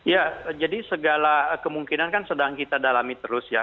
ya jadi segala kemungkinan kan sedang kita dalami terus ya